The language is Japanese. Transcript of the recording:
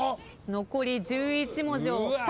残り１１文字を２人で。